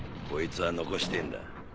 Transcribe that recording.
こいつは残してぇんだ。